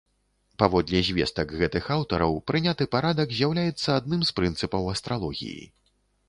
Паводле звестак гэтых аўтараў, прыняты парадак з'яўляецца адным з прынцыпаў астралогіі.